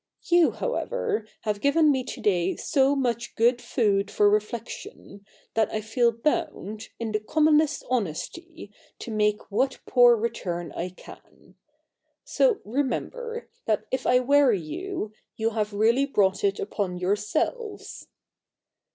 You, however, have given me to day so much good food for reflection, that I feel bound, in the commonest honesty, to make what poor return I can. So remember, that if I weary you, you have really brought it upon yourselves.